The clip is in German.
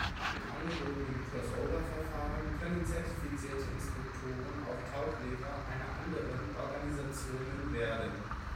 Mit angebotenen "Crossover"-Verfahren können zertifizierte Instruktoren auch Tauchlehrer einer anderen Organisationen werden.